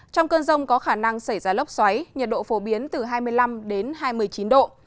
trong cơn rông có khả năng xảy ra lốc xoáy nhiệt độ phổ biến từ hai mươi năm đến hai mươi chín độ